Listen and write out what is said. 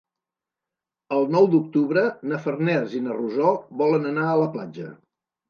El nou d'octubre na Farners i na Rosó volen anar a la platja.